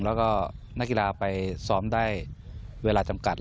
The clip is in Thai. แล้วก็นักกีฬาไปซ้อมได้เวลาจำกัด